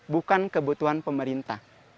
bukan kebutuhan pemerintah